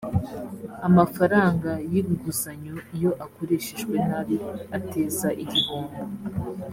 amafaranga y ‘inguzanyo iyo akoreshejwe nabi ateza igihombo.